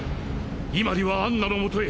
イマリはアンナのもとへ！